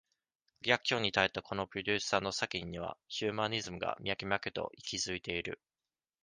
逆境に耐えたこのプロデューサーの作品には、ヒューマニズムが、脈々と息ずいている。